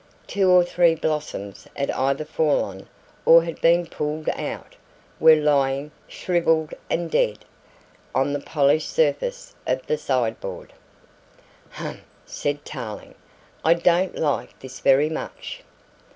Two or three blossoms had either fallen or had been pulled out, and were lying, shrivelled and dead, on the polished surface of the sideboard. "Humph!" said Tarling. "I don't like this very much."